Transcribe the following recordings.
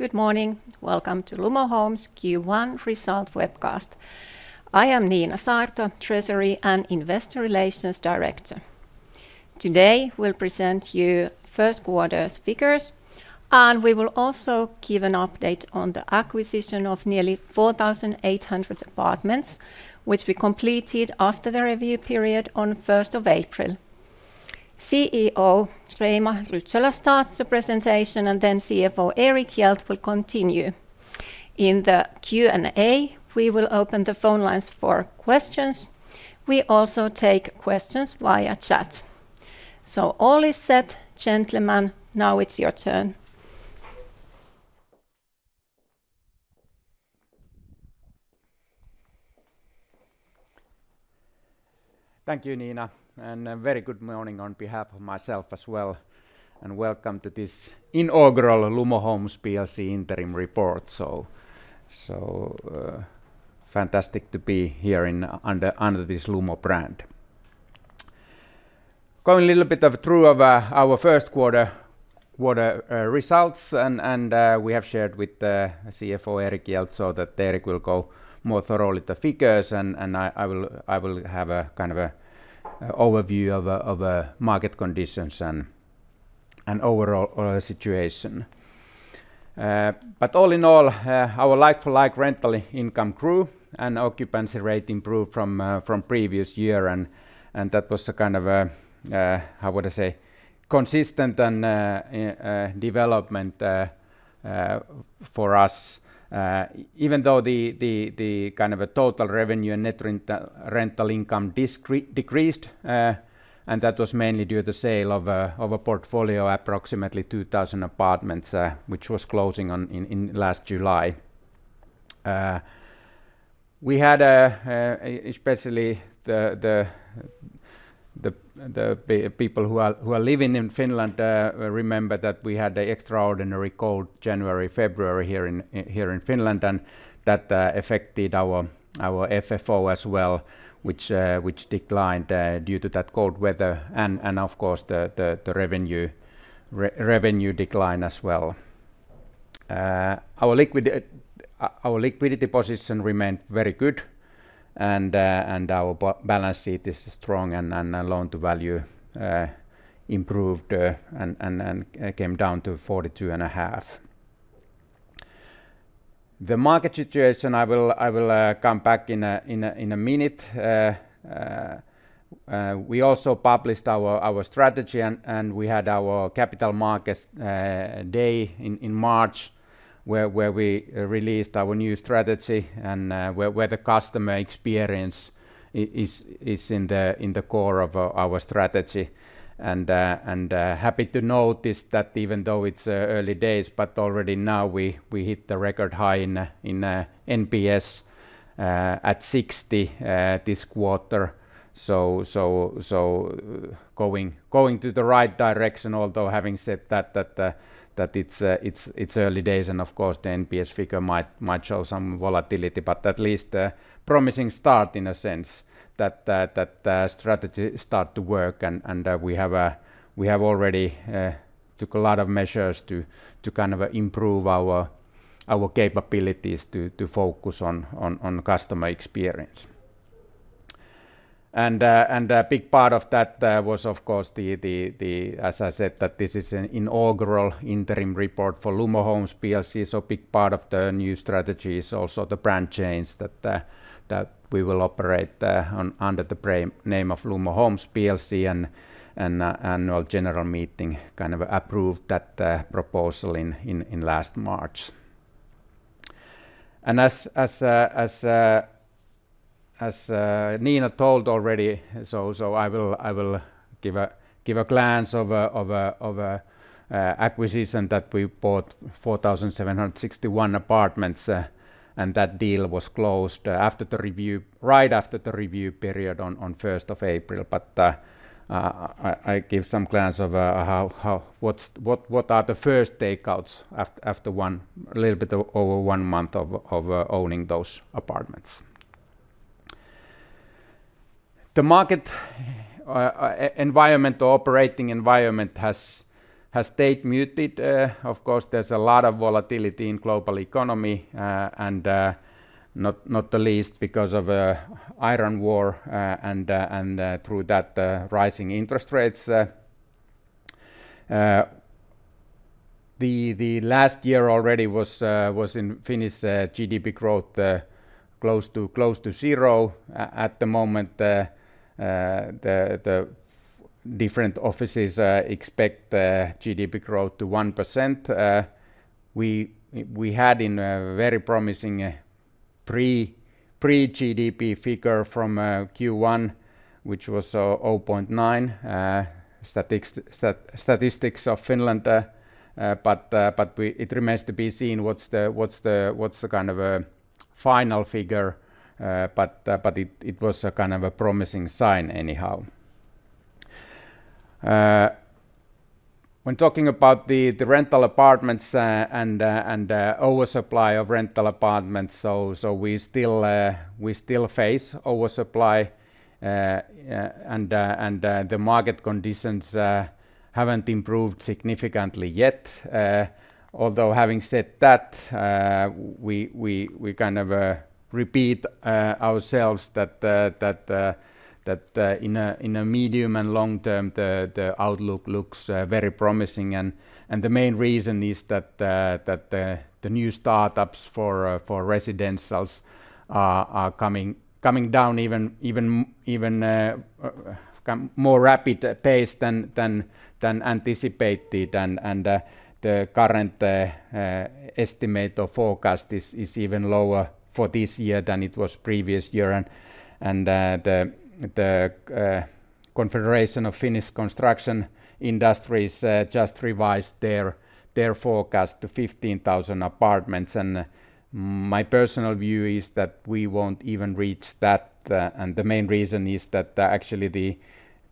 Good morning. Welcome to Lumo Homes Q1 result webcast. I am Niina Saarto, Treasury and Investor Relations Director. Today, we'll present you first quarter's figures, and we will also give an update on the acquisition of nearly 4,800 apartments, which we completed after the review period on 1st of April. CEO Reima Rytsölä starts the presentation, and then CFO Erik Hjelt will continue. In the Q&A, we will open the phone lines for questions. We also take questions via chat. All is set. Gentlemen, now it's your turn. Thank you, Niina, a very good morning on behalf of myself as well, and welcome to this inaugural Lumo Homes Plc interim report. Fantastic to be here under this Lumo brand. Going a little bit through of our first quarter results, and we have shared with the CFO, Erik Hjelt, so that Erik will go more thoroughly the figures, and I will have a kind of a overview of a market conditions and overall situation. All in all, our like-for-like rental income grew, and occupancy rate improved from previous year, and that was a kind of a, how would I say, consistent and development for us. Even though the kind of a total revenue and net rental income decreased, and that was mainly due to the sale of a portfolio approximately 2,000 apartments, which was closing in last July. We had, especially the people who are living in Finland, remember that we had a extraordinary cold January, February here in Finland, and that affected our FFO as well, which declined due to that cold weather and of course, the revenue declined as well. Our liquidity position remained very good, and our balance sheet is strong and our loan-to-value improved and came down to 42.5%. The market situation, I will come back in a minute. We also published our strategy and we had our capital markets day in March, where we released our new strategy and where the customer experience is in the core of our strategy. Happy to notice that even though it's early days, but already now we hit the record high in NPS at 60 this quarter. Going to the right direction, although having said that it's early days, and of course, the NPS figure might show some volatility, but at least a promising start in a sense that strategy start to work. We have already took a lot of measures to kind of improve our capabilities to focus on customer experience. A big part of that was of course the as I said, that this is an inaugural interim report for Lumo Homes Plc, so big part of the new strategy is also the brand change that we will operate under the name of Lumo Homes Plc, and annual general meeting kind of approved that proposal in last March. As Niina told already, I will give a glance of an acquisition that we bought 4,761 apartments, and that deal was closed after the review, right after the review period on 1st of April. I give some glance of how, what's, what are the first takeouts after one, a little bit over one month of owning those apartments. The market environment or operating environment has stayed muted. Of course, there's a lot of volatility in global economy, and not the least because of Iran war, and through that, rising interest rates. The last year already was in Finnish GDP growth close to zero. At the moment, the different offices expect GDP growth to 1%. We had in a very promising pre-GDP figure from Q1, which was 0.9, Statistics Finland. It remains to be seen what's the kind of a final figure, but it was a kind of a promising sign anyhow. When talking about the rental apartments, and oversupply of rental apartments, we still face oversupply, and the market conditions haven't improved significantly yet. Although having said that, we kind of repeat ourselves that in a medium and long term, the outlook looks very promising. The main reason is that the new startups for residentials are coming down even more rapid pace than anticipated. The current estimate or forecast is even lower for this year than it was previous year. The Confederation of Finnish Construction Industries just revised their forecast to 15,000 apartments. My personal view is that we won't even reach that. The main reason is that actually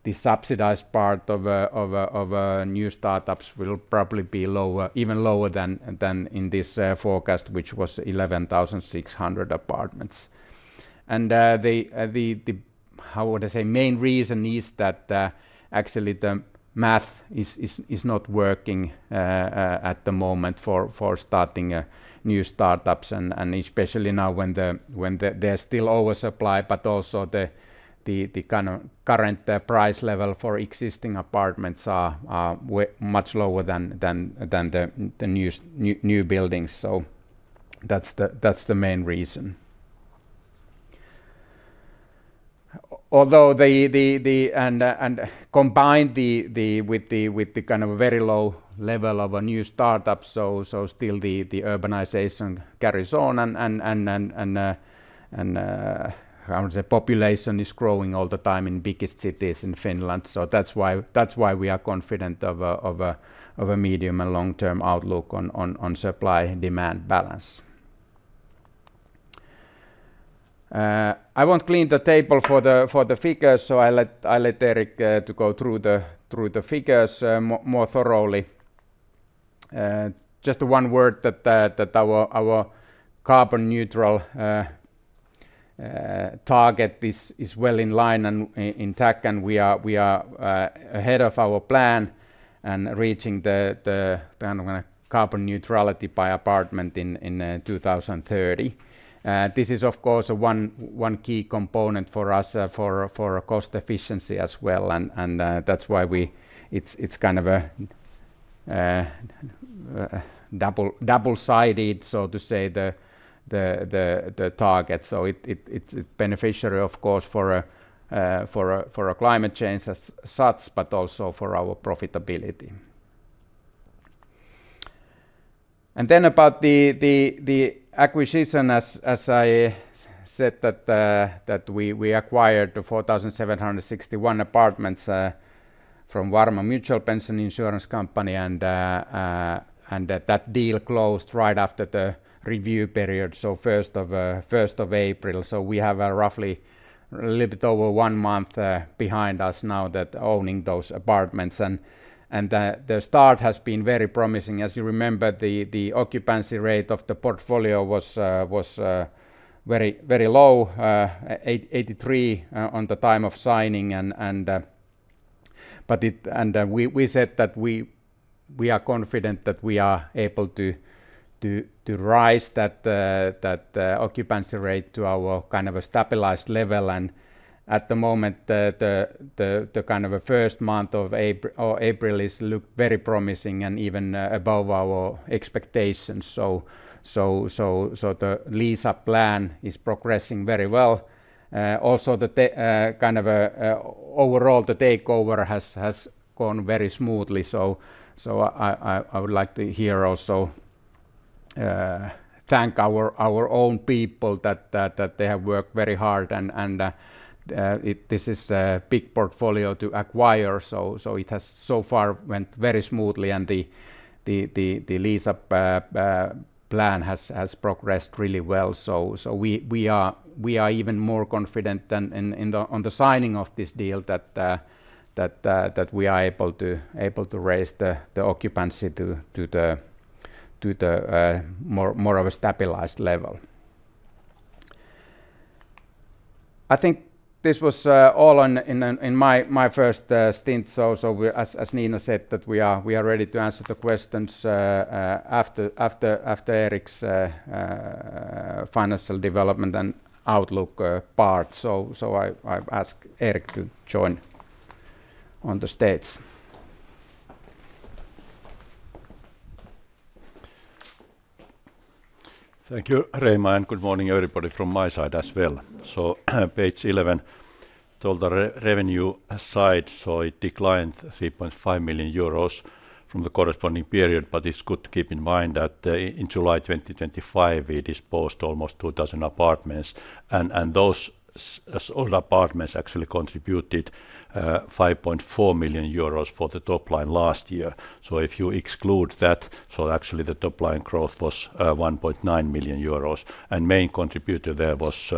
the subsidized part of new startups will probably be lower, even lower than in this forecast, which was 11,600 apartments. The how would I say, main reason is that actually the math is not working at the moment for starting new startups and especially now when there's still oversupply, but also the kind of current price level for existing apartments are way much lower than the new buildings. That's the main reason. Although the combined with the kind of very low level of a new startup, still the urbanization carries on and how the population is growing all the time in biggest cities in Finland. That's why we are confident of a medium and long-term outlook on supply and demand balance. I won't clean the table for the figures, so I let Erik to go through the figures more thoroughly. Just one word that our carbon neutral target is well in line and intact, and we are ahead of our plan and reaching the carbon neutrality by apartment in 2030. This is, of course, one key component for us for a cost efficiency as well. That's why It's kind of a double-sided, so to say, the target. It beneficiary, of course, for a climate change as such, but also for our profitability. About the acquisition, as I said that we acquired the 4,761 apartments from Varma Mutual Pension Insurance Company, and that deal closed right after the review period, so 1st of April. We have roughly a little bit over one month behind us now that owning those apartments. The start has been very promising. As you remember, the occupancy rate of the portfolio was very low, 83 on the time of signing. We said that we are confident that we are able to rise that occupancy rate to our kind of a stabilized level. At the moment, the kind of a first month of April looks very promising and even above our expectations. The lease-up plan is progressing very well. Also the kind of overall the takeover has gone very smoothly. I would like to here also thank our own people that they have worked very hard and this is a big portfolio to acquire. It has so far gone very smoothly and the lease-up plan has progressed really well. We are even more confident than in the signing of this deal that we are able to raise the occupancy to the more of a stabilized level. I think this was all in my first stint. As Niina said, that we are ready to answer the questions after Erik's financial development and outlook part. I ask Erik to join on the stage. Thank you, Reima, and good morning everybody from my side as well. Page 11, total revenue aside, it declined 3.5 million euros from the corresponding period, but it's good to keep in mind that in July 2025, we disposed almost 2,000 apartments. Those sold apartments actually contributed 5.4 million euros for the top line last year. If you exclude that, actually the top line growth was 1.9 million euros, and main contributor there was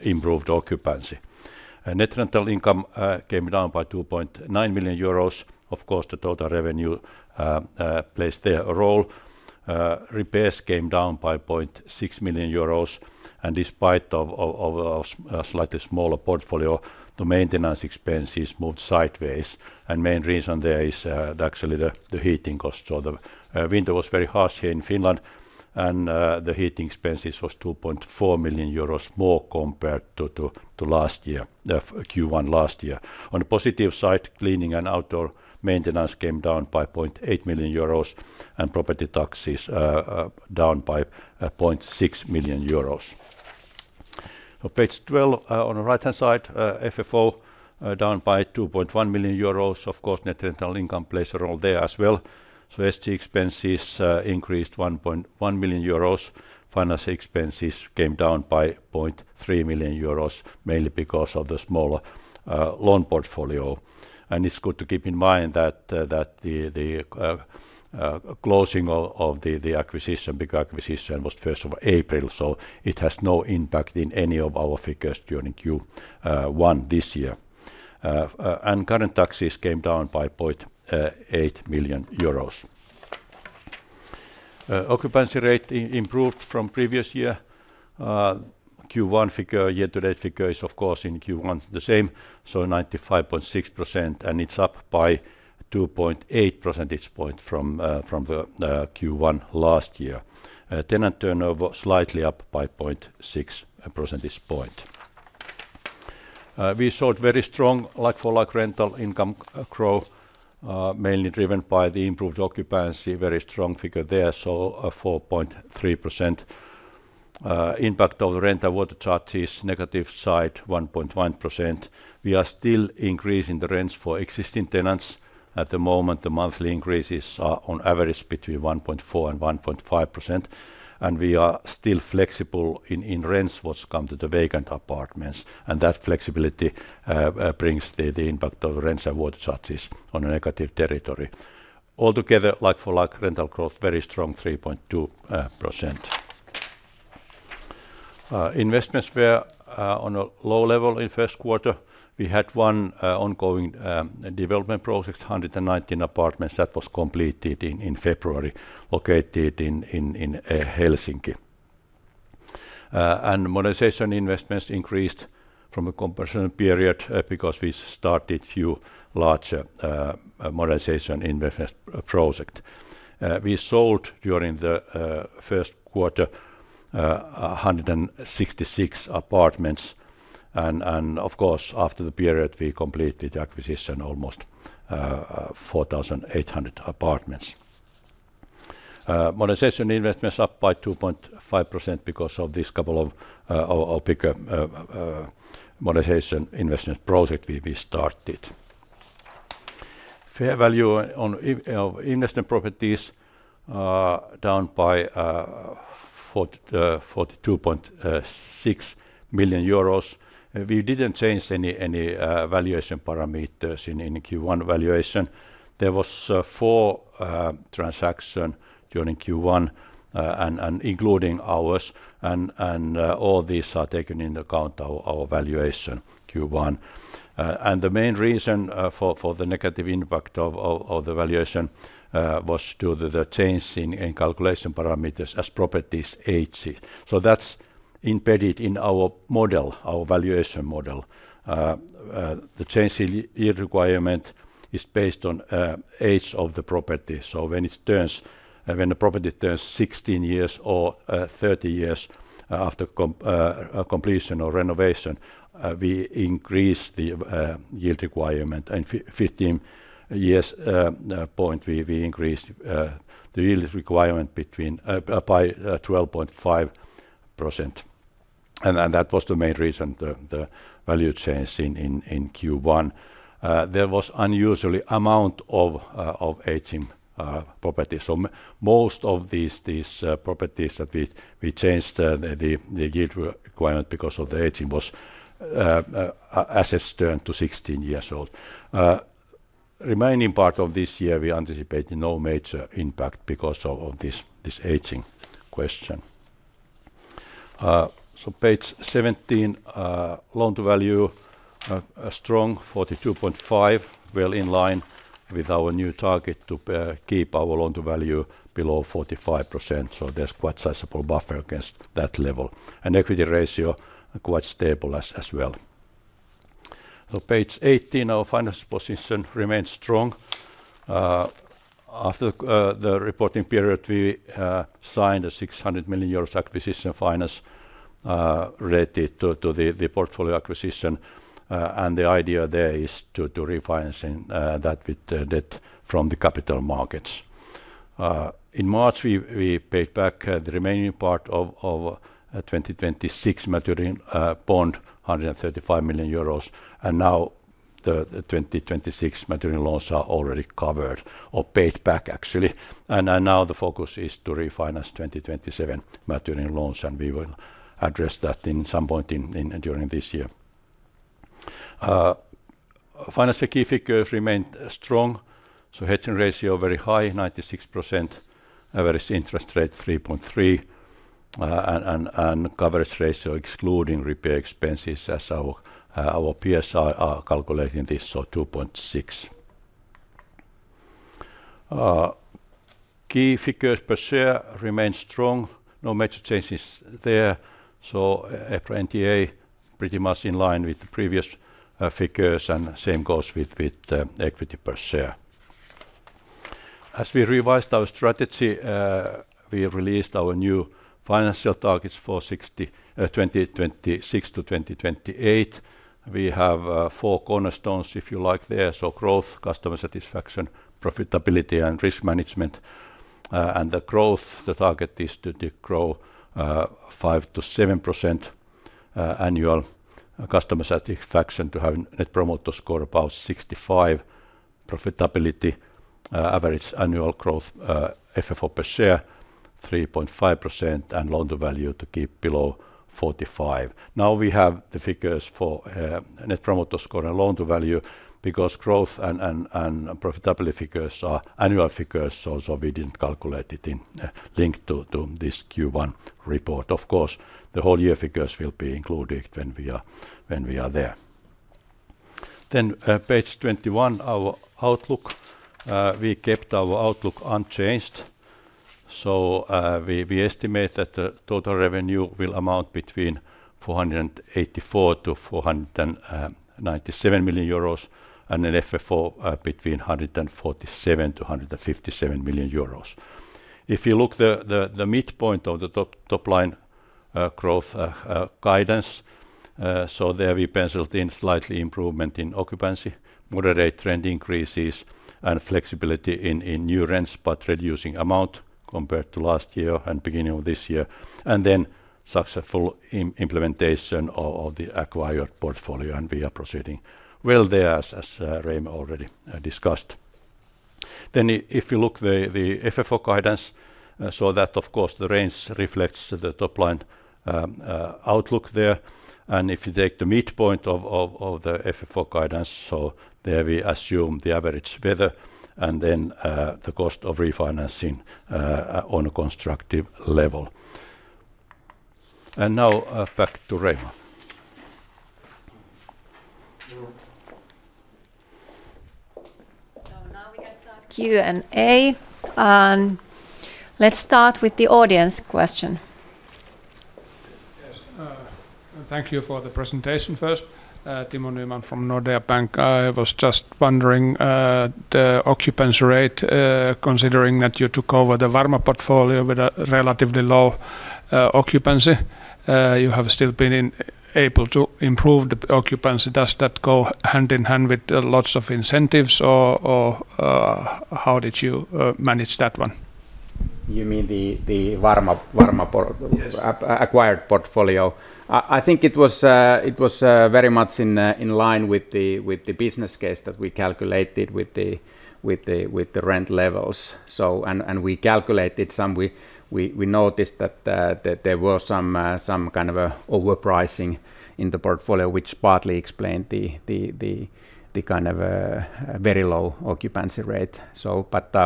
improved occupancy. Net rental income came down by 2.9 million euros. Of course, the total revenue plays there a role. Repairs came down by 0.6 million euros. Despite a slightly smaller portfolio, the maintenance expenses moved sideways. Main reason there is actually the heating costs. The winter was very harsh here in Finland, and the heating expenses was 2.4 million euros more compared to last year, Q1 last year. On a positive side, cleaning and outdoor maintenance came down by 0.8 million euros, and property taxes down by 0.6 million euros. On page 12, on the right-hand side, FFO down by 2.1 million euros. Of course, net rental income plays a role there as well. SG&A expenses increased 1.1 million euros. Finance expenses came down by 0.3 million euros, mainly because of the smaller loan portfolio. It's good to keep in mind that the closing of the acquisition, big acquisition was 1st of April, so it has no impact in any of our figures during Q1 this year. Current taxes came down by 0.8 million euros. Occupancy rate improved from previous year. Q1 figure, year-to-date figure is, of course, in Q1 the same, so 95.6%, and it's up by 2.8 percentage point from the Q1 last year. Tenant turnover slightly up by 0.6 percentage point. We saw very strong like-for-like rental income growth, mainly driven by the improved occupancy. Very strong figure there, so 4.3%. Impact of rent overcharges, negative side 1.1%. We are still increasing the rents for existing tenants. At the moment, the monthly increases are on average between 1.4% and 1.5%, and we are still flexible in rents what come to the vacant apartments, and that flexibility brings the impact of rents overcharges on a negative territory. Altogether, like-for-like rental growth very strong, 3.2%. Investments were on a low level in first quarter. We had one ongoing development project, 119 apartments, that was completed in February, located in Helsinki. Modernization investments increased from a comparison period because we started few larger modernization project. We sold during the first quarter 166 apartments and of course, after the period, we completed acquisition almost 4,800 apartments. Modernization investments up by 2.5% because of this couple of bigger modernization investment project we started. Fair value on investment properties down by 42.6 million euros. We didn't change any valuation parameters in Q1 valuation. There was four transactions during Q1, and including ours, and all these are taken into account our valuation Q1. The main reason for the negative impact of the valuation was due to the change in calculation parameters as properties age. That's embedded in our valuation model. The change in yield requirement is based on age of the property. When it turns, when the property turns 16 years or 30 years after completion or renovation, we increase the yield requirement. 15 years point, we increased the yield requirement between by 12.5%. That was the main reason the value change in Q1. There was unusually amount of aging properties. Most of these properties that we changed the yield requirement because of the aging was assets turned to 16 years old. Remaining part of this year, we anticipate no major impact because of this aging question. Page 17, loan-to-value, a strong 42.5, well in line with our new target to keep our loan-to-value below 45%, so there's quite sizable buffer against that level. Equity ratio quite stable as well. Page 18, our financial position remains strong. After the reporting period, we signed a 600 million euros acquisition finance related to the portfolio acquisition, and the idea there is to refinancing that with the debt from the capital markets. In March, we paid back the remaining part of 2026 maturing bond, 135 million euros, now the 2026 maturing loans are already covered or paid back actually. Now the focus is to refinance 2027 maturing loans, we will address that in some point during this year. Financial key figures remained strong, so hedging ratio very high, 96%, average interest rate 3.3%, coverage ratio excluding repair expenses as our peers are calculating this, so 2.6x. Key figures per share remain strong. No major changes there. FFO per NTA pretty much in line with the previous figures, same goes with equity per share. As we revised our strategy, we have released our new financial targets for 2026-2028. We have four cornerstones, if you like, there, so growth, customer satisfaction, profitability, and risk management. The growth, the target is to grow 5%-7% annual customer satisfaction to have Net Promoter Score 65 profitability, average annual growth, FFO per share 3.5%, and loan-to-value to keep below 45. We have the figures for Net Promoter Score and loan-to-value because growth and profitability figures are annual figures, we didn't calculate it in linked to this Q1 report. Of course, the whole year figures will be included when we are there. Page 21, our outlook. We kept our outlook unchanged. We estimate that the total revenue will amount between 484 million-497 million euros, and an FFO between 147 million-157 million euros. If you look the midpoint of the top line growth guidance, there we penciled in slightly improvement in occupancy, moderate trend increases, and flexibility in new rents, but reducing amount compared to last year and beginning of this year. Then successful implementation of the acquired portfolio, and we are proceeding well there as Reima already discussed. If you look the FFO guidance, that of course the range reflects the top line outlook there. If you take the midpoint of the FFO guidance, there we assume the average weather and the cost of refinancing on a constructive level. Now, back to Reima. Now we can start Q&A. Let's start with the audience question. Yes. Thank you for the presentation first. Timo Nyman from Nordea Bank. I was just wondering, the occupancy rate, considering that you took over the Varma portfolio with a relatively low occupancy. You have still been able to improve the occupancy. Does that go hand in hand with lots of incentives or how did you manage that one? You mean the Varma por-. Yes Acquired portfolio? I think it was very much in line with the business case that we calculated with the rent levels. We noticed that there were some kind of overpricing in the portfolio which partly explained the very low occupancy rate. But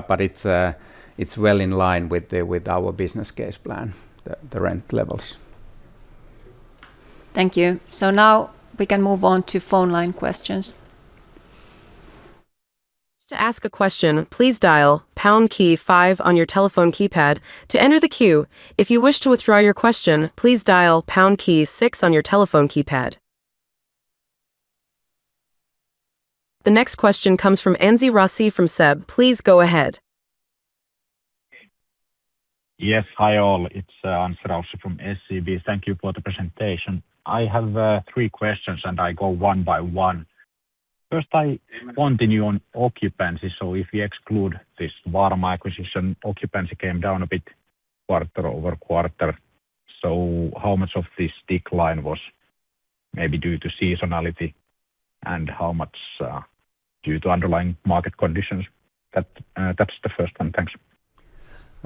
it's well in line with our business case plan, the rent levels. Thank you. Now we can move on to phone line questions. The next question comes from Anssi Raussi from SEB. Please go ahead. Yes. Hi, all. It's Anssi Raussi from SEB. Thank you for the presentation. I have three questions, and I go one by one. First, I want the new on occupancy. If you exclude this Varma acquisition, occupancy came down a bit quarter-over-quarter. How much of this decline was maybe due to seasonality, and how much due to underlying market conditions? That, that's the first one. Thanks.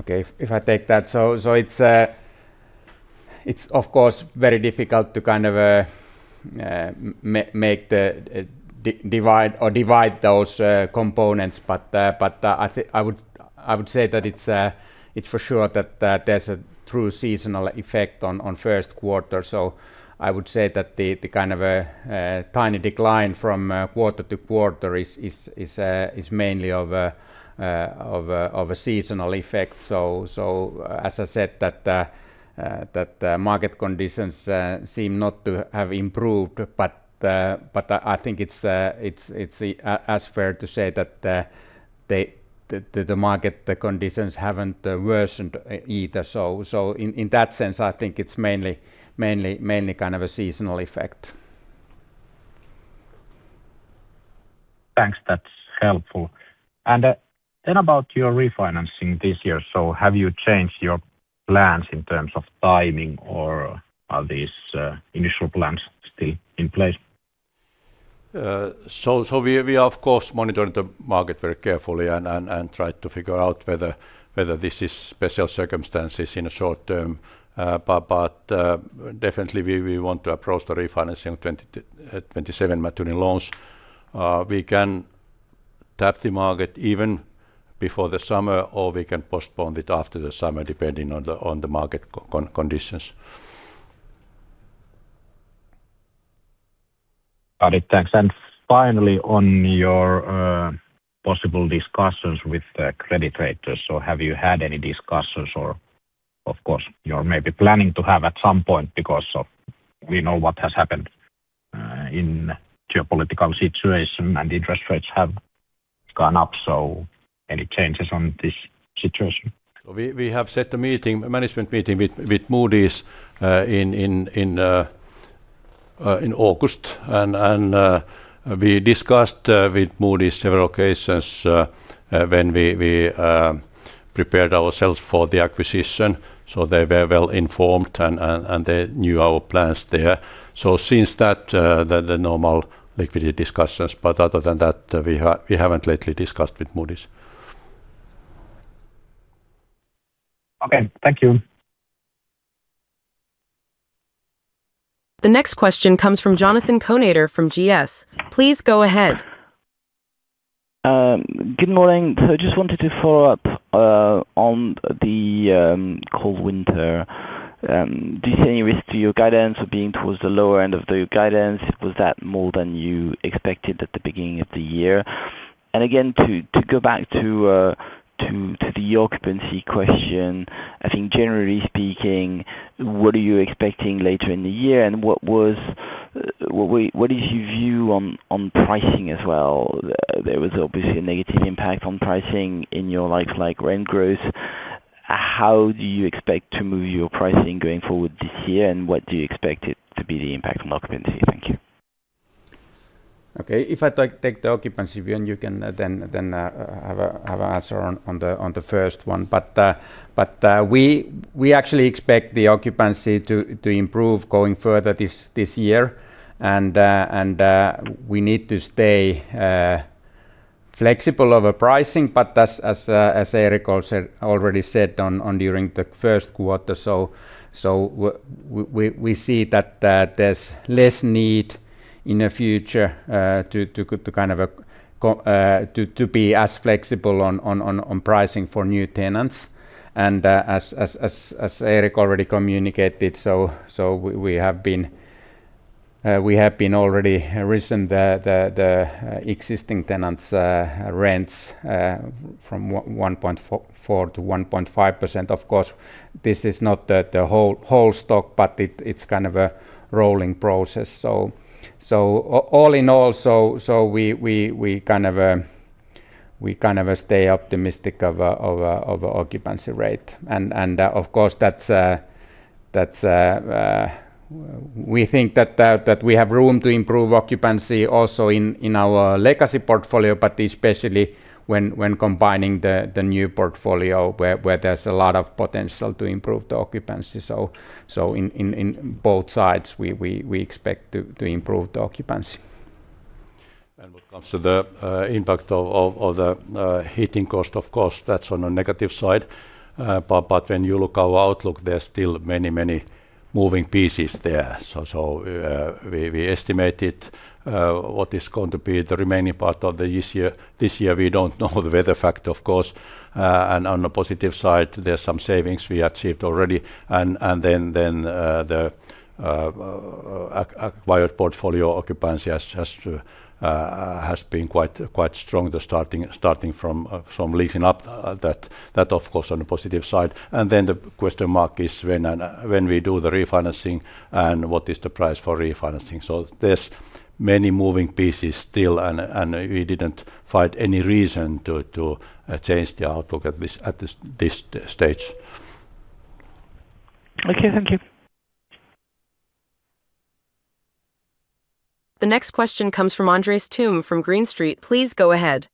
Okay. If I take that. It's of course very difficult to kind of divide or divide those components, but I would say that it's for sure that there's a true seasonal effect on first quarter. I would say that the kind of a tiny decline from quarter-to-quarter is mainly of a seasonal effect. As I said that market conditions seem not to have improved. But I think it's as fair to say that the market conditions haven't worsened either. In that sense, I think it's mainly kind of a seasonal effect. Thanks. That's helpful. Then about your refinancing this year, have you changed your plans in terms of timing, or are these initial plans still in place? We are of course monitoring the market very carefully and try to figure out whether this is special circumstances in a short term. But definitely we want to approach the refinancing of 2027 maturing loans. We can tap the market even before the summer, or we can postpone it after the summer depending on the market conditions. Got it. Thanks. Finally, on your possible discussions with the credit raters, have you had any discussions or of course, you're maybe planning to have at some point because of we know what has happened in geopolitical situation and interest rates have gone up? Any changes on this situation? We have set a meeting, a management meeting with Moody's in August. We discussed with Moody's several occasions when we prepared ourselves for the acquisition, so they were well-informed and they knew our plans there. Since that, the normal liquidity discussions. Other than that, we haven't lately discussed with Moody's. Okay. Thank you. The next question comes from Jonathan Kownator from GS. Please go ahead. Good morning. Just wanted to follow up on the cold winter. Do you see any risk to your guidance or being towards the lower end of the guidance? Was that more than you expected at the beginning of the year? Again, to go back to the occupancy question, I think generally speaking, what are you expecting later in the year and what is your view on pricing as well? There was obviously a negative impact on pricing in your like-for-like rental income. How do you expect to move your pricing going forward this year, and what do you expect it to be the impact on occupancy? Thank you. Okay. If I take the occupancy view, you can then have an answer on the first one. We actually expect the occupancy to improve going further this year. We need to stay flexible over pricing, as Erik also already said during the first quarter, we see that there's less need in the future to be as flexible on pricing for new tenants. As Erik already communicated, we have been already risen the existing tenants' rents from 1.44% to 1.5%. This is not the whole stock, but it's kind of a rolling process. All in all, we kind of stay optimistic of occupancy rate. Of course, that's, we think that we have room to improve occupancy also in our legacy portfolio. Especially when combining the new portfolio where there's a lot of potential to improve the occupancy. In both sides, we expect to improve the occupancy. When it comes to the impact of the heating cost, of course, that's on the negative side. When you look our outlook, there are still many moving pieces there. We estimated what is going to be the remaining part of this year. We don't know the weather factor, of course. On the positive side, there are some savings we achieved already. Then the acquired portfolio occupancy has been quite strong the starting from leasing up. That of course on the positive side. Then the question mark is when and when we do the refinancing and what is the price for refinancing. There's many moving pieces still. We didn't find any reason to change the outlook at this stage. Okay. Thank you. The next question comes from Andres Toome from Green Street. Please go ahead.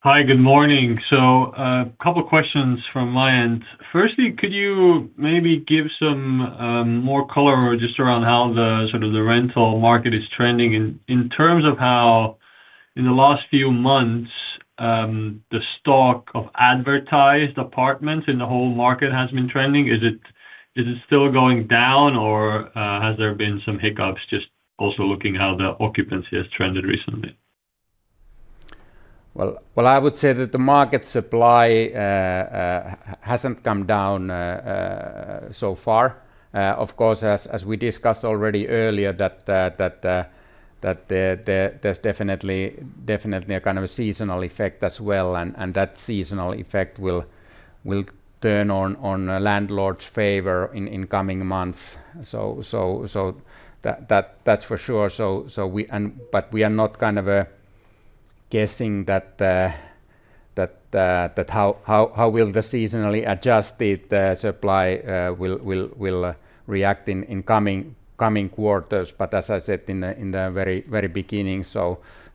Hi. Good morning. I have two questions from my end. Firstly, could you maybe give some more color just around how the sort of the rental market is trending in terms of how in the last few months, the stock of advertised apartments in the whole market has been trending? Is it still going down or has there been some hiccups just also looking how the occupancy has trended recently? Well, I would say that the market supply hasn't come down so far. Of course, as we discussed already earlier that there's definitely a kind of a seasonal effect as well. That seasonal effect will turn on a landlord's favor in coming months. So that's for sure. We are not kind of guessing that how will the seasonally adjusted supply will react in coming quarters. As I said in the very beginning,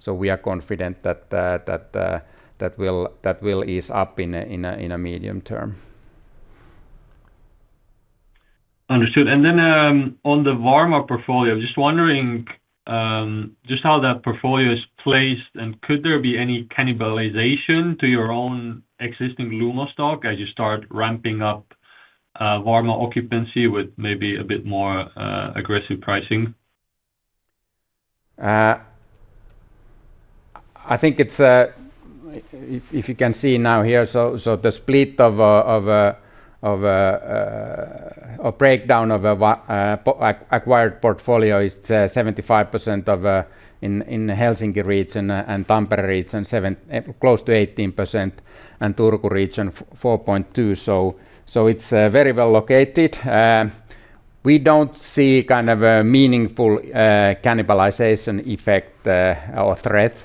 we are confident that that will ease up in a medium term. Understood. On the Varma portfolio, just wondering, just how that portfolio is placed and could there be any cannibalization to your own existing Lumo stock as you start ramping up, Varma occupancy with maybe a bit more, aggressive pricing? I think it's if you can see now here, so the split of a breakdown of acquired portfolio is 75% in Helsinki region and Tampere region close to 18%, and Turku region 4.2%. It's very well located. We don't see kind of a meaningful cannibalization effect or threat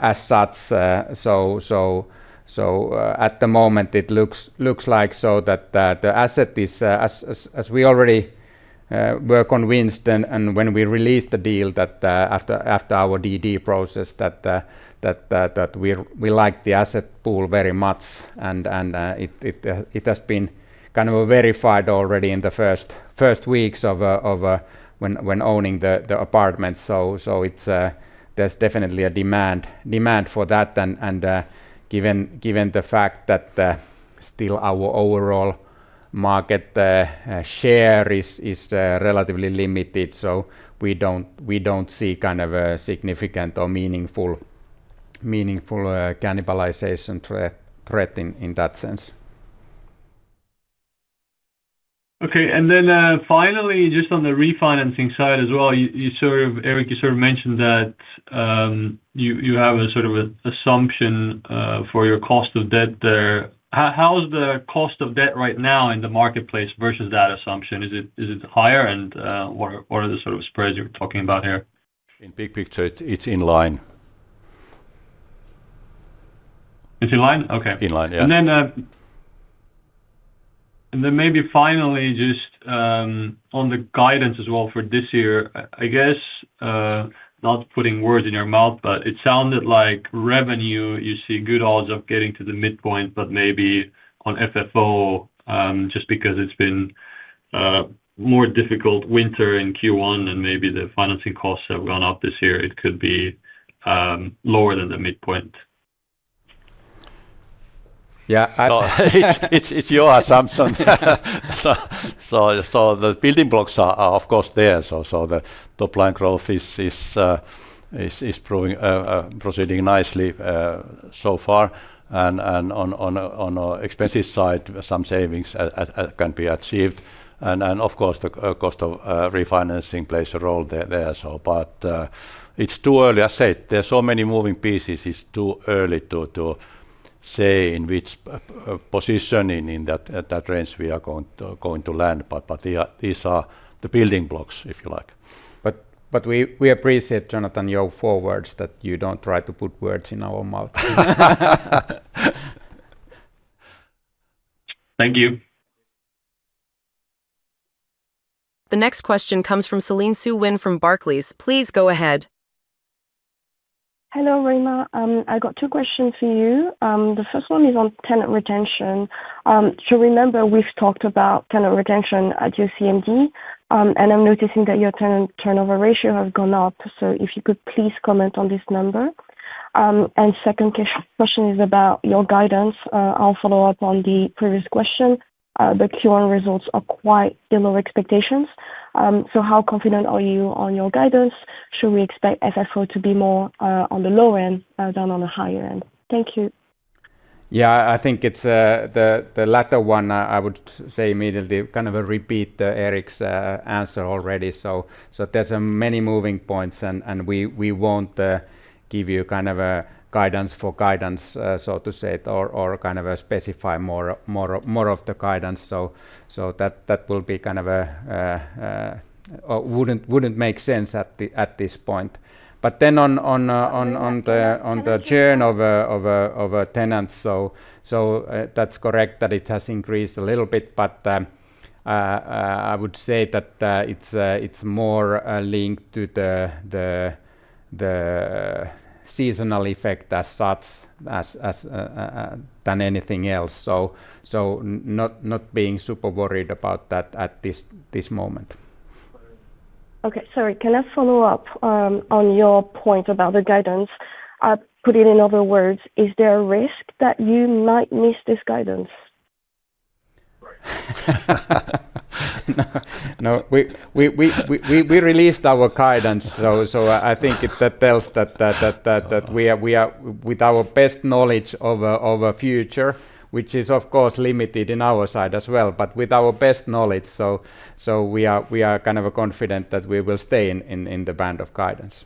as such. So, at the moment it looks like so that the asset is as we're convinced and when we released the deal that after our DD process that we liked the asset pool very much and it has been kind of a verified already in the first weeks of when owning the apartment. It's there's definitely a demand for that. Given the fact that still our overall market share is relatively limited, we don't see kind of a significant or meaningful cannibalization threat in that sense. Okay. Then, finally, just on the refinancing side as well, you sort of Erik, you sort of mentioned that, you have a sort of a assumption for your cost of debt there. How is the cost of debt right now in the marketplace versus that assumption? Is it higher? What are the sort of spreads you're talking about here? In big picture it's in line. It's in line? Okay. In line, yeah. Maybe finally just on the guidance as well for this year, I guess, not putting words in your mouth, but it sounded like revenue, you see good odds of getting to the midpoint, but maybe on FFO, just because it's been more difficult winter in Q1 and maybe the financing costs have gone up this year, it could be lower than the midpoint. Yeah. It's your assumption. The building blocks are of course there. The top line growth is proving proceeding nicely so far. On our expensive side, some savings can be achieved. Of course the cost of refinancing plays a role there. It's too early. I said there's so many moving pieces, it's too early to say in which position in that, at that range we are going to land. The these are the building blocks if you like. We appreciate Jonathan, your words that you don't try to put words in our mouth. Thank you. The next question comes from Céline Soo-Huynh from Barclays. Please go ahead. Hello, Reima. I got two questions for you. The first one is on tenant retention. Remember we've talked about tenant retention at your CMD, and I'm noticing that your tenant turnover ratio has gone up. If you could please comment on this number. Second question is about your guidance. I'll follow up on the previous question. The Q1 results are quite below expectations. How confident are you on your guidance? Should we expect FFO to be more on the low end than on the higher end? Thank you. I think it's the latter one. I would say immediately kind of a repeat Erik's answer already. There's many moving points and we won't give you kind of a guidance for guidance, so to say, or kind of specify more of the guidance. That will be kind of or wouldn't make sense at this point. On the churn of a tenant. That's correct that it has increased a little bit, but I would say that it's more a link to the seasonal effect as such as than anything else. Not being super worried about that at this moment. Sorry. Can I follow up on your point about the guidance? Put it in other words, is there a risk that you might miss this guidance? No. No. We released our guidance. I think it tells that we are with our best knowledge of a future, which is of course limited in our side as well, but with our best knowledge. We are kind of confident that we will stay in the band of guidance.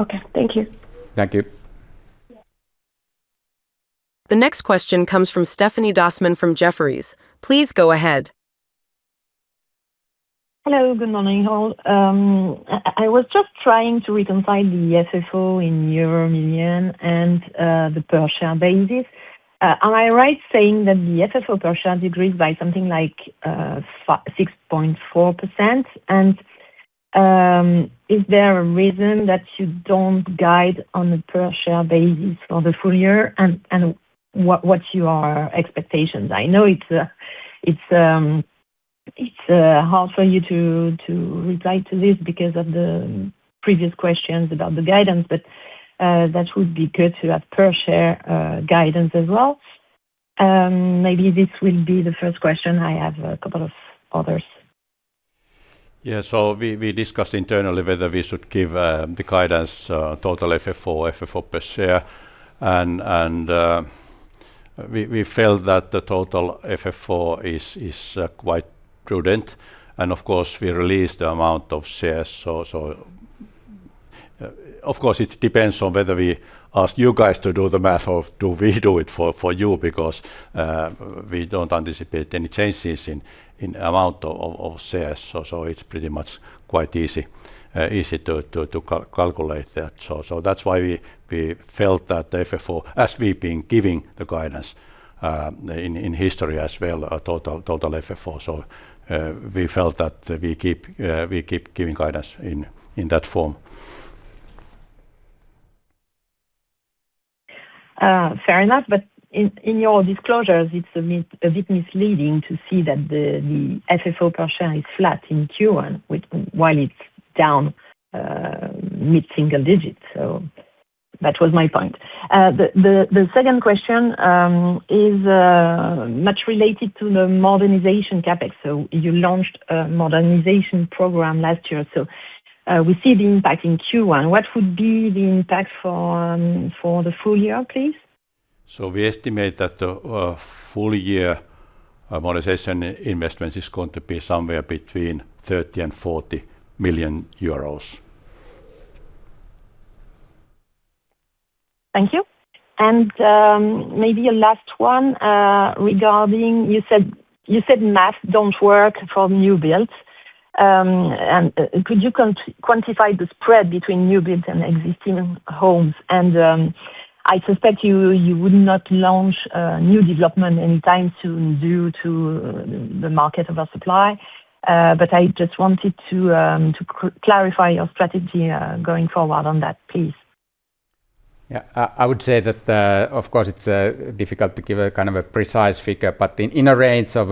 Okay. Thank you. Thank you. The next question comes from Stéphanie Dossmann from Jefferies. Please go ahead. Hello. Good morning, all. I was just trying to reconcile the FFO in euro million and the per share basis. Am I right saying that the FFO per share decreased by something like 6.4%? Is there a reason that you don't guide on the per share basis for the full year, and what's your expectations? I know it's hard for you to reply to this because of the previous questions about the guidance, but that would be good to have per share guidance as well. Maybe this will be the first question. I have a couple of others. Yeah. We discussed internally whether we should give the guidance, total FFO per share. We felt that the total FFO is quite prudent. Of course, we released the amount of shares. Of course, it depends on whether we ask you guys to do the math or do we do it for you because we don't anticipate any changes in amount of shares. It's pretty much quite easy to calculate that. That's why we felt that the FFO as we've been giving the guidance in history as well, total FFO. We felt that we keep giving guidance in that form. Fair enough. In your disclosures, it's a bit misleading to see that the FFO per share is flat in Q1 while it's down mid-single digits. That was my point. The second question is much related to the modernization CapEx. You launched a modernization program last year. We see the impact in Q1. What would be the impact for the full year, please? We estimate that the full year modernization investment is going to be somewhere between 30 million and 40 million euros. Thank you. Maybe a last one, regarding you said, you said math don't work for new builds. Could you quantify the spread between new builds and existing homes? I suspect you would not launch a new development any time soon due to the market oversupply. I just wanted to clarify your strategy going forward on that, please. I would say that, of course, it's difficult to give a kind of a precise figure, but in a range of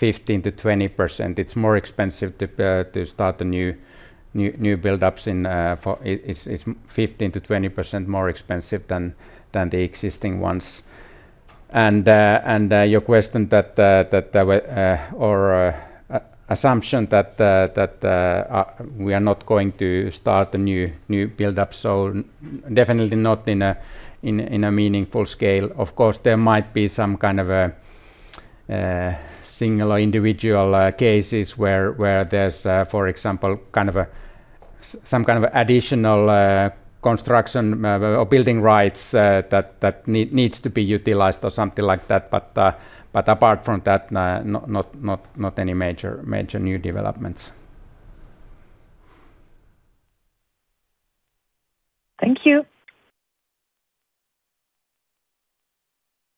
15%-20% it's more expensive to start the new build-ups. It's 15%-20% more expensive than the existing ones. Your question that, or assumption that we are not going to start a new build-up, definitely not in a meaningful scale. Of course, there might be some kind of a single or individual cases where there's, for example, kind of additional construction or building rights that needs to be utilized or something like that. Apart from that, not any major new developments. Thank you.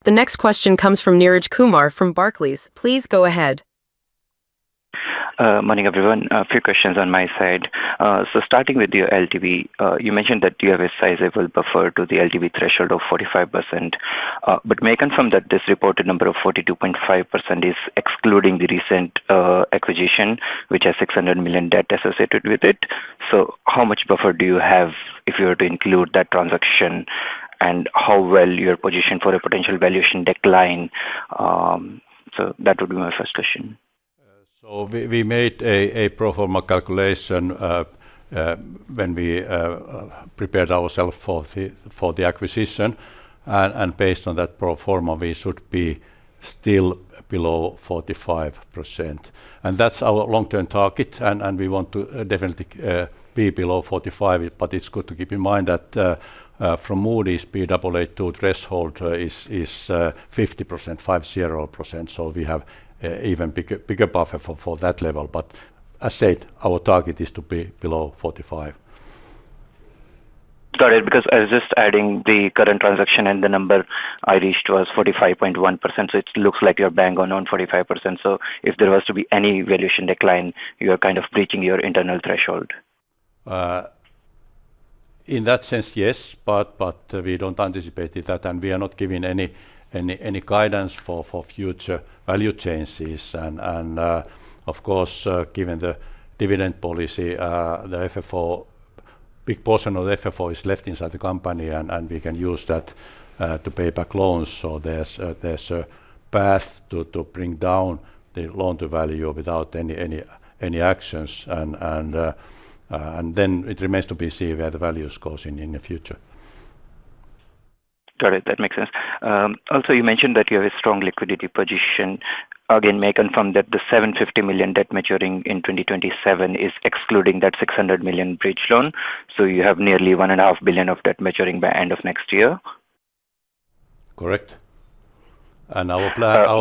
The next question comes from Neeraj Kumar from Barclays. Please go ahead. Morning, everyone. A few questions on my side. Starting with your LTV, you mentioned that you have a sizable buffer to the LTV threshold of 45%. May I confirm that this reported number of 42.5% is excluding the recent acquisition, which has 600 million debt associated with it. How much buffer do you have if you were to include that transaction, and how well you're positioned for a potential valuation decline? That would be my first question. We made a pro forma calculation when we prepared ourselves for the acquisition. Based on that pro forma, we should be still below 45%. That's our long-term target. We want to definitely be below 45%. It's good to keep in mind that Moody's Baa2 threshold is 50%. 50%. We have even bigger buffer for that level. As said, our target is to be below 45%. Got it. Because I was just adding the current transaction and the number I reached was 45.1%. It looks like you're bank on 45%. If there was to be any valuation decline, you're kind of breaching your internal threshold. In that sense, yes. We don't anticipate it that, and we are not giving any guidance for future value changes. Of course, given the dividend policy, the FFO, big portion of FFO is left inside the company, and we can use that to pay back loans. There's a path to bring down the loan-to-value without any actions. It remains to be seen where the value is closing in the future. Got it. That makes sense. You mentioned that you have a strong liquidity position. Again, may I confirm that the 750 million debt maturing in 2027 is excluding that 600 million bridge loan? You have nearly one and a half billion of debt maturing by end of next year. Correct. So- Our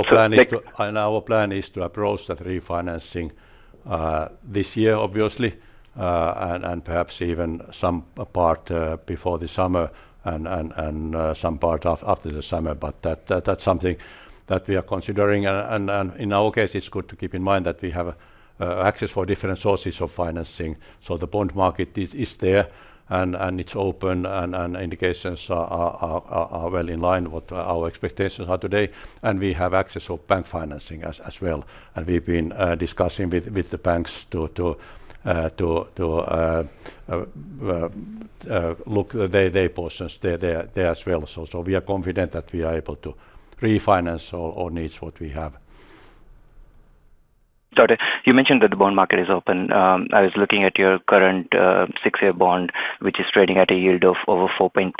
plan is to. Like- Our plan is to approach that refinancing this year, obviously. Perhaps even some part before the summer and some part after the summer. That's something that we are considering. In our case, it's good to keep in mind that we have access for different sources of financing. The bond market is there and it's open and indications are well in line what our expectations are today. We have access of bank financing as well. We've been discussing with the banks to look their portions there as well. We are confident that we are able to refinance all needs what we have. Got it. You mentioned that the bond market is open. I was looking at your current six-year bond, which is trading at a yield of over 4.3%.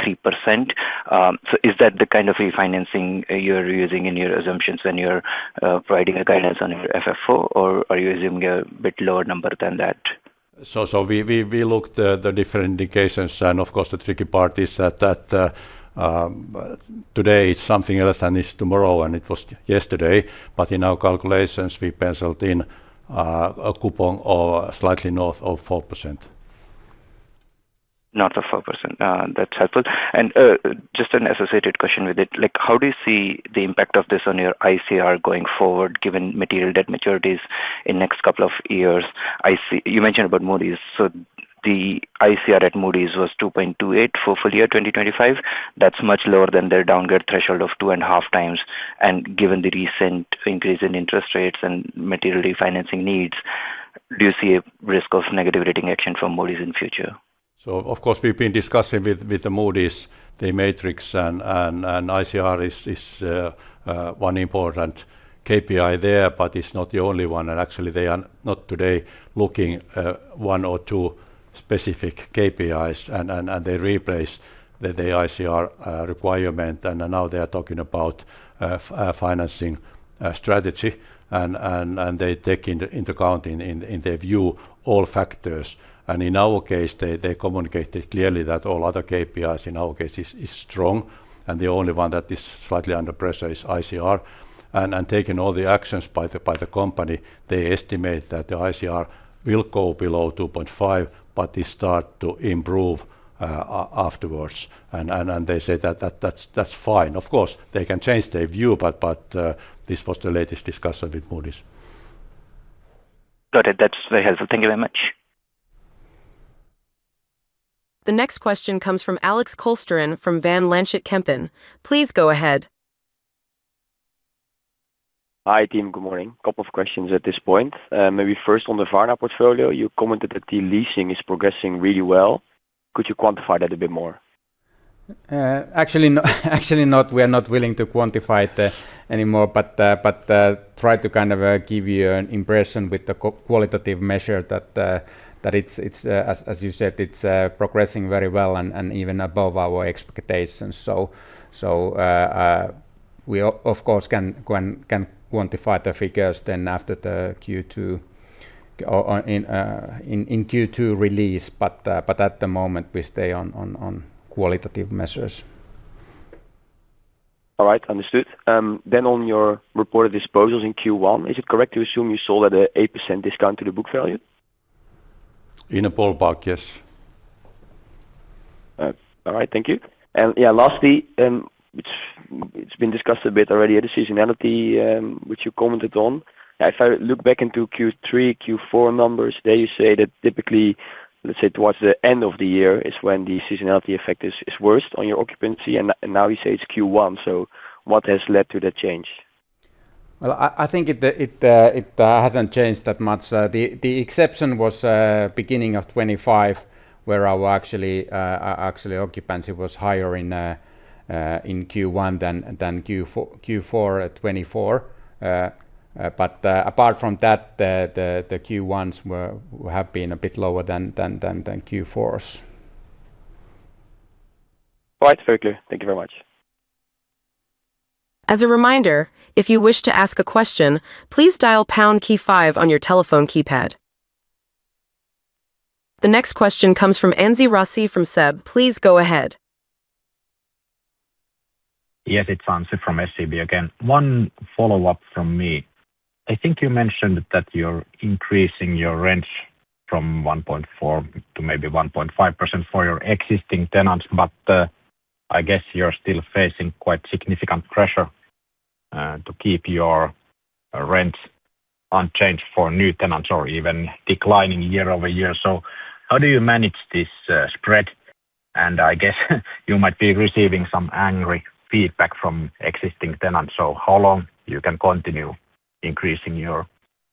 Is that the kind of refinancing you're using in your assumptions when you're providing a guidance on your FFO, or are you assuming a bit lower number than that? We looked the different indications. Of course, the tricky part is that, today it's something else than it's tomorrow and it was yesterday. In our calculations, we penciled in a coupon or slightly north of 4%. North of 4%. That's helpful. Just an associated question with it. Like how do you see the impact of this on your ICR going forward given material debt maturities in next couple of years, you mentioned about Moody's. The ICR at Moody's was 2.28 for full year 2025. That's much lower than their downgrade threshold of 2.5 times. Given the recent increase in interest rates and material refinancing needs, do you see a risk of negative rating action from Moody's in future? Of course, we've been discussing with Moody's, their matrix, and ICR is one important KPI there, but it's not the only one. Actually, they are not today looking one or two specific KPIs, and they replace the ICR requirement. Now they are talking about financing strategy, and they take into account in their view all factors. In our case, they communicated clearly that all other KPIs in our case is strong. The only one that is slightly under pressure is ICR. Taking all the actions by the company, they estimate that the ICR will go below 2.5, but they start to improve afterwards. They say that that's fine. Of course, they can change their view, but, this was the latest discussion with Moody's. Got it. That's very helpful. Thank you very much. The next question comes from Alex Kolsteren from Van Lanschot Kempen. Please go ahead. Hi, team. Good morning. Couple of questions at this point. Maybe first on the Varma portfolio. You commented that the leasing is progressing really well. Could you quantify that a bit more? Actually not. We are not willing to quantify it anymore, but try to kind of give you an impression with the qualitative measure that it's, as you said, it's progressing very well and even above our expectations. We of course can quantify the figures then after the Q2 or in Q2 release. At the moment we stay on qualitative measures. All right. Understood. On your reported disposals in Q1, is it correct to assume you sold at a 8% discount to the book value? In a ballpark, yes. All right, thank you. Lastly, which it's been discussed a bit already, the seasonality, which you commented on. If I look back into Q3, Q4 numbers, there you say that typically, let's say towards the end of the year is when the seasonality effect is worst on your occupancy, and now you say it's Q1. What has led to that change? Well, I think it hasn't changed that much. The exception was beginning of 2025, where our actually occupancy was higher in Q1 than Q4 at 2024. Apart from that, the Q1s have been a bit lower than Q4s. All right. Very clear. Thank you very much. The next question comes from Anssi Raussi from SEB. Please go ahead. Yes. It's Anssi from SEB again. One follow-up from me. I think you mentioned that you're increasing your rents from 1.4% to maybe 1.5% for your existing tenants. I guess you're still facing quite significant pressure to keep your rents unchanged for new tenants or even declining year-over-year. How do you manage this spread? I guess you might be receiving some angry feedback from existing tenants. How long you can continue increasing your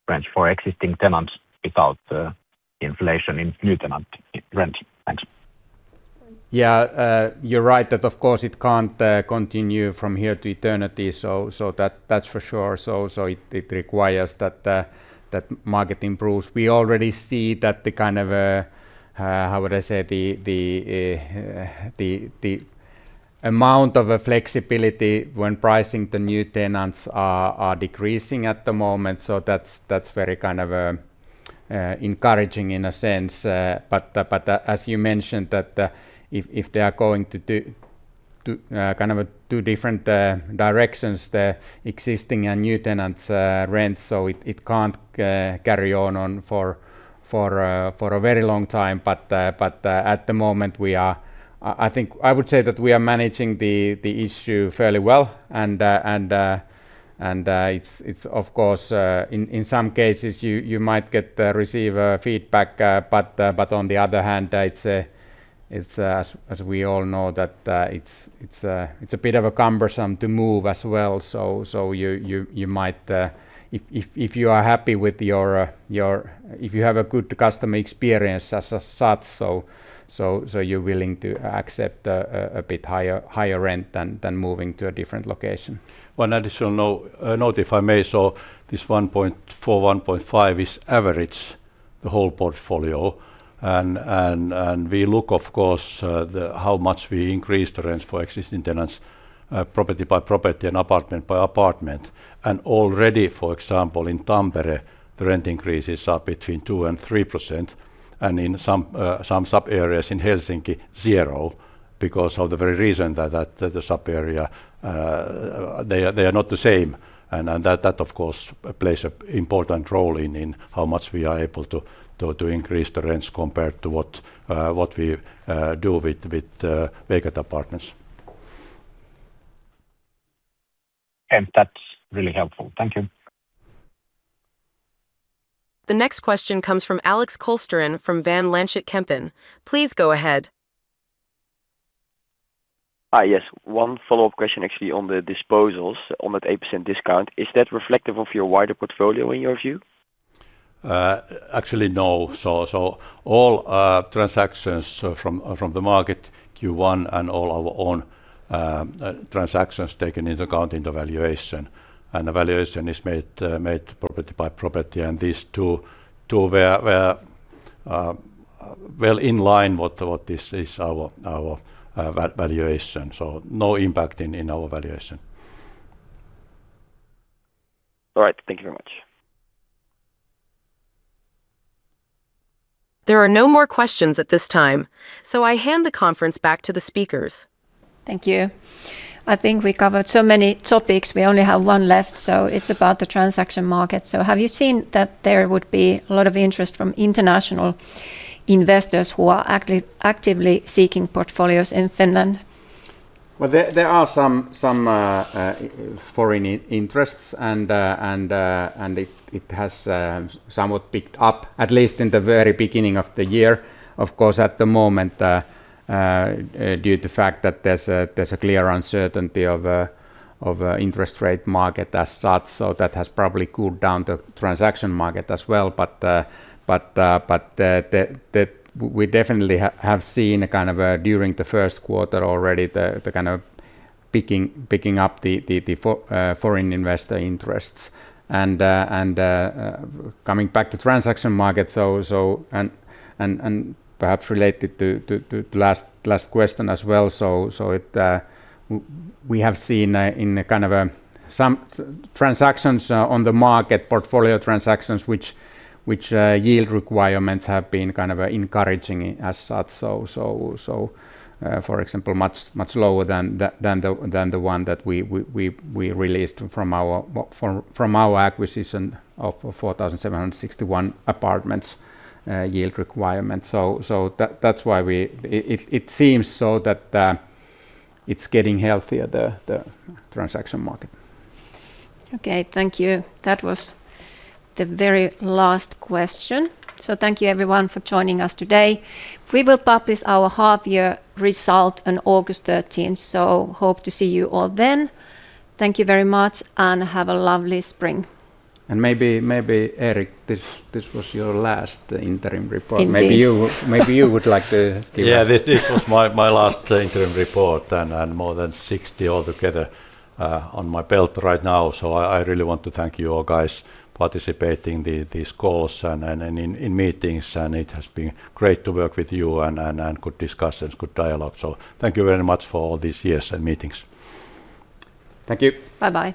rents for existing tenants without inflation in new tenant rents? Thanks. Yeah. You're right that of course it can't continue from here to eternity, that's for sure. It requires that market improves. We already see that the kind of, how would I say, the amount of a flexibility when pricing the new tenants are decreasing at the moment. That's very kind of encouraging in a sense. But as you mentioned that if they are going to do kind of do different directions, the existing and new tenants rents, it can't carry on for a very long time. But at the moment we are I would say that we are managing the issue fairly well. It's of course, in some cases you might receive feedback. On the other hand, it's, as we all know that it's a bit of a cumbersome to move as well. You might, if you have a good customer experience as such, you're willing to accept a bit higher rent than moving to a different location. One additional note, if I may. This 1.4%, 1.5% is average the whole portfolio. We look of course, how much we increase the rents for existing tenants, property by property and apartment by apartment. Already, for example, in Tampere, the rent increases are between 2% and 3%, and in some sub-areas in Helsinki, 0 because of the very reason that the sub-area they are not the same. That of course plays an important role in how much we are able to increase the rents compared to what we do with vacant apartments. That's really helpful. Thank you. The next question comes from Alex Kolsteren from Van Lanschot Kempen. Please go ahead. Hi. Yes, one follow-up question actually on the disposals, on that 8% discount. Is that reflective of your wider portfolio in your view? Actually, no. All transactions from the market, Q1, and all our own transactions taken into account in the valuation. The valuation is made property by property, and these two were well in line what this is our valuation. No impact in our valuation. All right. Thank you very much. There are no more questions at this time, so I hand the conference back to the speakers. Thank you. I think we covered so many topics. We only have one left, so it's about the transaction market. Have you seen that there would be a lot of interest from international investors who are actively seeking portfolios in Finland? Well, there are some foreign interests, and it has somewhat picked up, at least in the very beginning of the year. Of course, at the moment, due to fact that there's a clear uncertainty of interest rate market that's up, so that has probably cooled down the transaction market as well. We definitely have seen a kind of during the first quarter already the kind of picking up the foreign investor interests. Coming back to transaction market, and perhaps related to last question as well, we have seen in the kind of some transactions on the market, portfolio transactions, which yield requirements have been kind of encouraging as such, so, for example, much lower than the one that we released from our from our acquisition of 4,761 apartments, yield requirement. That's why it seems so that it's getting healthier, the transaction market. Okay. Thank you. That was the very last question. Thank you everyone for joining us today. We will publish our half year result on August 13, so hope to see you all then. Thank you very much, and have a lovely spring. Maybe, Erik, this was your last interim report. Indeed. Maybe you would like to give. This was my last interim report, and more than 60 altogether on my belt right now. I really want to thank you all guys participating these calls and in meetings, it has been great to work with you and good discussions, good dialogue. Thank you very much for all these years and meetings. Thank you. Bye-bye.